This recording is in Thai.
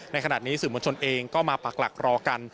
ในขณะนี้สื่อมวลชนเองก็มาปักหลักรอกัน